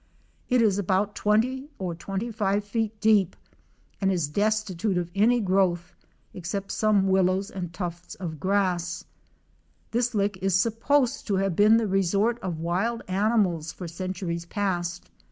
It is about 20 or 25 feet deep and is destitute of any growth except some willows and tufts of grass. This lick is supposed to have been the resort of wild animals for centuries past.